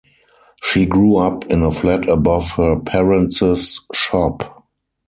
She grew up in a flat above her parents' shop.